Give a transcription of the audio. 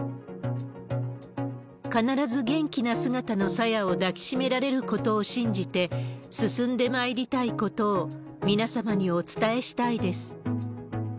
必ず元気な姿の朝芽を抱き締められることを信じて、進んでまいりたいことを、皆様にお伝えしたいです。